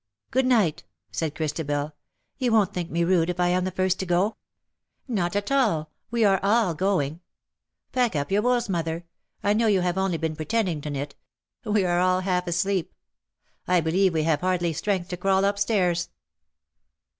^^" Good night/^ said Christabel. " You won't think me rude if I am the first to go ?"" Not at all. We are all going. Pack up your 252 ^' LOVE BORE SUCH BITTER wools^ mother. I know you have only been pretend ing to knit. We are all half asleep. I believe we have hardly strength to crawl upstairs.